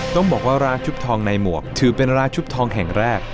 ต้องบอกว่าร้านชุบทองในหมวกถือเป็นร้านชุบทองแห่งแรก